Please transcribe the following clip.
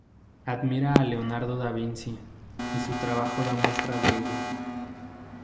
Admira a Leonardo da Vinci y su trabajo da muestra de ello.